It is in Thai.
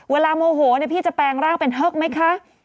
โมโหพี่จะแปลงร่างเป็นฮึกไหมคะ